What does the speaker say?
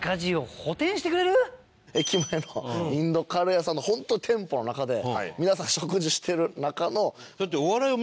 駅前のインドカレー屋さんの本当に店舗の中で皆さん食事してる中の。